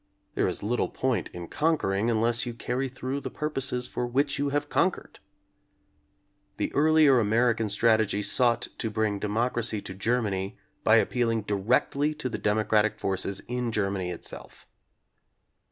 There is little point in conquering unless you carry through the purposes for which you have conquered. The earlier American strategy sought to bring democ racy to Germany by appealing directly to the dem ocratic forces in Germany itself.